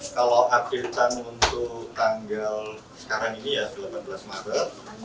kalau update chan untuk tanggal sekarang ini ya delapan belas maret